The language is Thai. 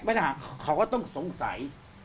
ไม่ได้หากเขาก็ต้องสงสัย